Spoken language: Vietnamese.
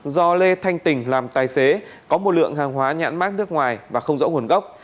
do lê thanh tỉnh làm tài xế có một lượng hàng hóa nhãn mát nước ngoài và không rõ nguồn gốc